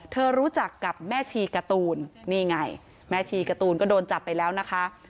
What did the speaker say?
รู้จักกับแม่ชีการ์ตูนนี่ไงแม่ชีการ์ตูนก็โดนจับไปแล้วนะคะ